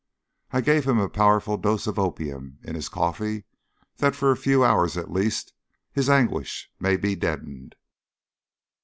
I gave him a powerful dose of opium in his coffee that for a few hours at least his anguish may be deadened.